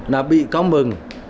là bị cáo mừng